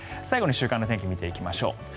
最後に週間の天気を見ていきましょう。